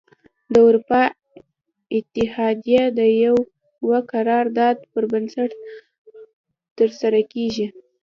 د اروپا اتحادیه د یوه قرار داد پر بنسټ تره سره کیږي.